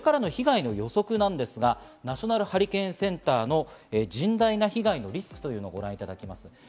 これからの被害の予測なんですが、ナショナルハリケーンセンターの甚大な被害のリスクというものをご覧いただきます。